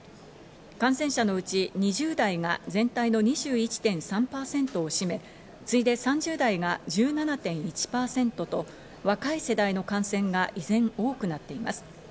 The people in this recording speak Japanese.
感染者のうち２０代が全体の２１．３％を占め、次いで３０代が１７．１％と、若い世代の感染が依然、多くなっています。